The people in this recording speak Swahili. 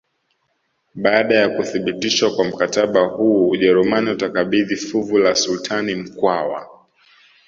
Baada ya kuthibitishwa kwa mkataba huu Ujerumani utakabidhi fuvu la sultani Mkwawa